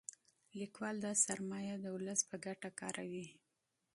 لیکوال دا سرمایه د ولس په ګټه کاروي.